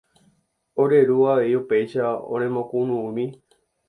Ore ru avei upéicha oremokunu'ũmi.